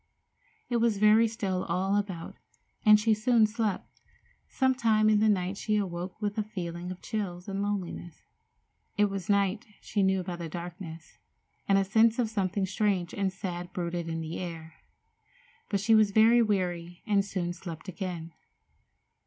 It was very still all about, and she soon slept. Some time in the night she awoke with a feeling of chill and loneliness. It was night, she knew by the darkness, and a sense of something strange and sad brooded in the air. But she was very weary, and soon slept again.